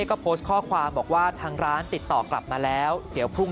ก็โพสต์ข้อความบอกว่าทางร้านติดต่อกลับมาแล้วเดี๋ยวพรุ่ง